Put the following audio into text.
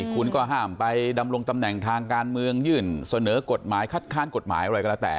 คุณก็ห้ามไปดำรงตำแหน่งทางการเมืองยื่นเสนอกฎหมายคัดค้านกฎหมายอะไรก็แล้วแต่